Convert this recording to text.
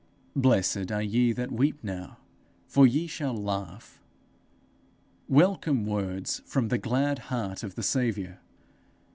'Blessed are ye that weep now, for ye shall laugh.' Welcome words from the glad heart of the Saviour!